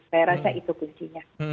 saya rasa itu kuncinya